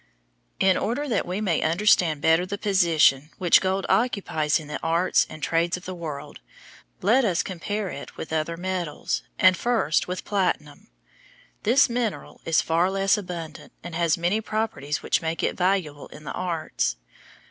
In order that we may understand better the position which gold occupies in the arts and trades of the world, let us compare it with other metals, and first with platinum. This mineral is far less abundant and has many properties which make it valuable in the arts.